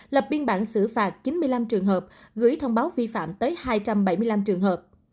lập biên bản xử phạt chín mươi năm trường hợp gửi thông báo vi phạm tới hai trăm bảy mươi năm trường hợp